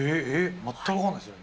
全く分かんないっすね。